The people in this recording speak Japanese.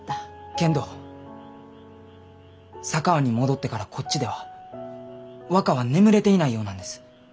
けんど佐川に戻ってからこっちでは若は眠れていないようなんです。